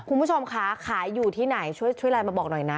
คุณผู้ชมคะขายอยู่ที่ไหนช่วยไลน์มาบอกหน่อยนะ